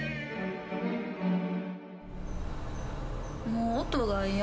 もう音が嫌や。